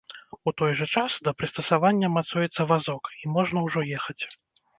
У той жа час, да прыстасавання мацуецца вазок, і можна ўжо ехаць.